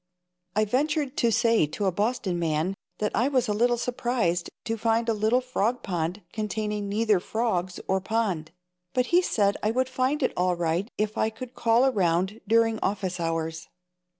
I ventured to say to a Boston man that I was a little surprised to find a little frog pond containing neither frogs or pond, but he said I would find it all right if I would call around during office hours.